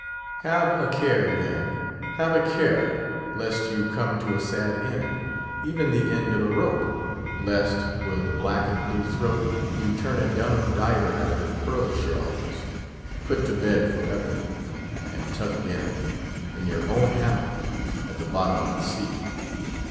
Have a care, then, have a care, lest you come to a sad end, even the end of a rope; lest, with a black and blue throat, you turn a dumb diver after pearl shells; put to bed for ever, and tucked in, in your own hammock, at the bottom of the sea.